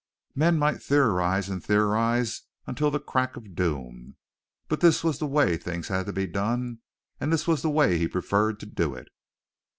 Men might theorize and theorize until the crack of doom, but this was the way the thing had to be done and this was the way he preferred to do it.